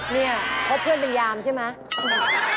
เนี่ยเพราะเพื่อนเป็นยามใช่ไหม